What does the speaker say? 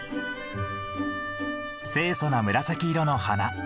清楚な紫色の花。